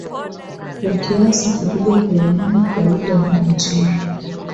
kwakiasi kikubwa kuenea kwa lugha hii nchini